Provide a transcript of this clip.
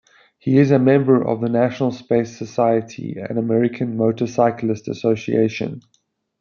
He is a member of the National Space Society and American Motorcyclist Association.